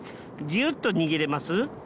ギューッと握れます？